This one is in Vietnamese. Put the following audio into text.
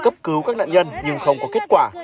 cấp cứu các nạn nhân nhưng không có kết quả